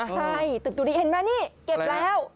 ใช่ตึกดูดีเห็นไหมนี่เก็บแล้ว